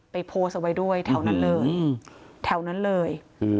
ไปโพสเอาไว้ด้วยแถวนั้นเลย